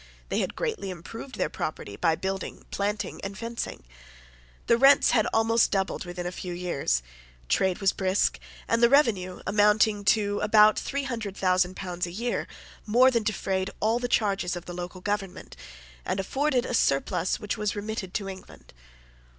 They had greatly improved their property by building, planting, and fencing. The rents had almost doubled within a few years; trade was brisk; and the revenue, amounting to about three hundred thousand pounds a year, more than defrayed all the charges of the local government, and afforded a surplus which was remitted to England.